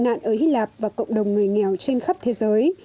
các trẻ tịnh đã bị nạn ở hy lạp và cộng đồng người nghèo trên khắp thế giới